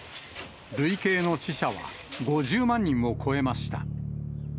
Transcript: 累計の死者は５０万人を超えました。